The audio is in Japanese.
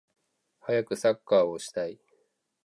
はやくサッカーをしたい